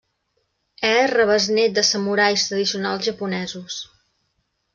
És rebesnét de samurais tradicionals japonesos.